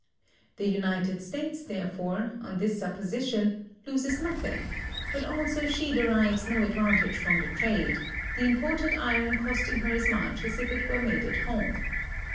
The United States, therefore, on this supposition, loses nothing; but also she derives no advantage from the trade, the imported iron costing her as much as if it were made at home.